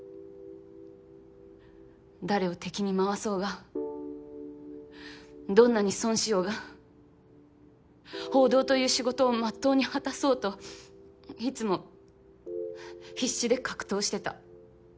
誰を敵に回そうがどんなに損しようが報道という仕事をまっとうに果たそうといつもはぁ必死で格闘してた。